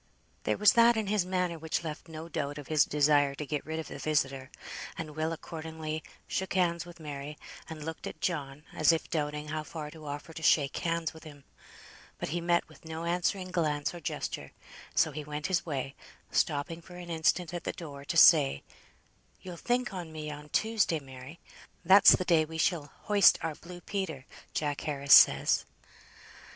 There was that in his manner which left no doubt of his desire to get rid of the visitor, and Will accordingly shook hands with Mary, and looked at John, as if doubting how far to offer to shake hands with him. But he met with no answering glance or gesture, so he went his way, stopping for an instant at the door to say, "You'll think on me on Tuesday, Mary. That's the day we shall hoist our blue Peter, Jack Harris says."